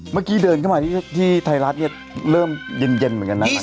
เมื่อกี้เดินเข้ามาที่ไทยรัฐเนี่ยเริ่มเย็นเหมือนกันนะครับ